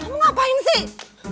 kamu ngapain sih